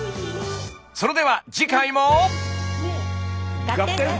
それでは次回も。